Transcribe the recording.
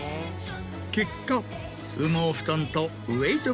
結果羽毛布団とウェイト